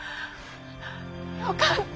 よかった。